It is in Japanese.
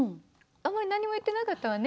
あまり何も言ってなかったわね。